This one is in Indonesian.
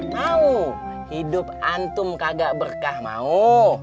tahu hidup antum kagak berkah mau